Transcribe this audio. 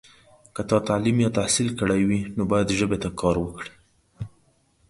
که تا تعلیم یا تحصیل کړی وي، نو باید ژبې ته کار وکړې.